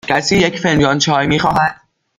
کسی یک فنجان چای می خواهد؟